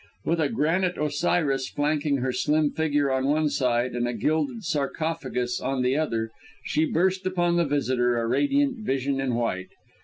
With a granite Osiris flanking her slim figure on one side and a gilded sarcophagus on the other, she burst upon the visitor, a radiant vision in white.